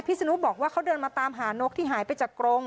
สนุกบอกว่าเขาเดินมาตามหานกที่หายไปจากกรง